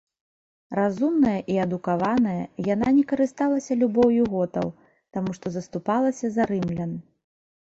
Разумная і адукаваная, яна не карысталася любоўю готаў, таму што заступалася за рымлян.